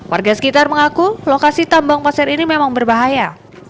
warga sekitar mengaku lokasi tambang pasir ini memang berbahaya